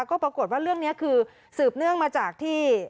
ก็ปรากฏว่าเรื่องนี้คือสืบเนื่องมาจากที่